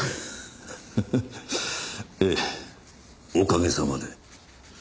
フフええおかげさまで。